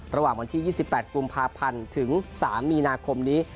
ระหว่างวันที่๒๘กุมภาพันธ์ถึง๓มีนาคมนี้